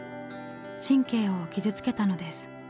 神経を傷つけたのです。